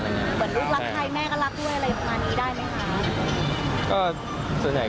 หนึ่งลูกรักใครแม่ก็รักด้วยอะไรแบบนี้ได้ไหมคะ